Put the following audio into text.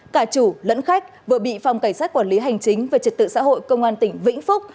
cả chủ lẫn khách vừa bị phòng cảnh sát quản lý hành chính về trật tự xã hội công an tỉnh vĩnh phúc